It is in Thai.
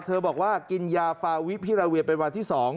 บอกว่ากินยาฟาวิพิราเวียเป็นวันที่๒